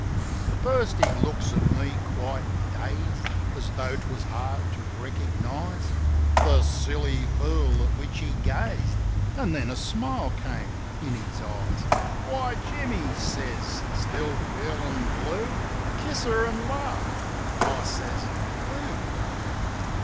At first he looks at me quite dazed, As tho' 'twas hard to recognize The silly fool at which he gazed; An' then a smile come in his eyes: "Why, Jim," he says. "Still feelin' blue? Kiss her, an' laugh!" ... But I says, "Who?"